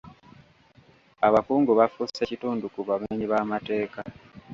Abakungu bafuuse kitundu ku bamenyi b'amateeka.